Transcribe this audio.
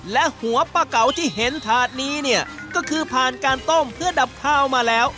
และหัวปลาเก๋าที่เห็นถาดนี้เนี่ยก็คือผ่านการต้มเพื่อดับข้าวมาแล้ว